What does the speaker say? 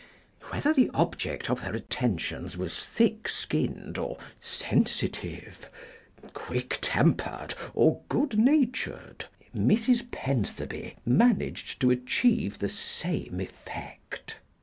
Whether the object of her attentions was thick skinned or sensitive, quick tempered or good natured, Mrs. Pentherby managed to achieve the same effect.